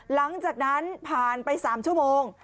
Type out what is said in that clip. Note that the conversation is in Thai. หลังจากนั้นผ่านไป๓ชั่วโมง